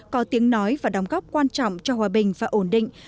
có tiếng nói và đóng góp quan trọng cho hòa bình và ổn định